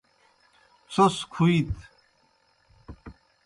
څھوْس کُھویت۔